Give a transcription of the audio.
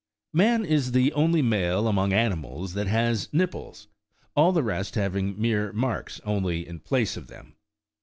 Man is the only male among animals that has nipples, all the rest having mere marks only in place of them.